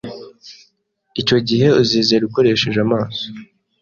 Icyo gihe uzizera ukoresheje amaso